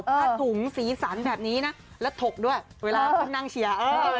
ผ้าถุงสีสันแบบนี้นะแล้วถกด้วยเวลาขึ้นนั่งเชียร์